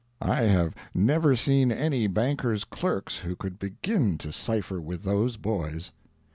I have never seen any banker's clerks who could begin to cypher with those boys.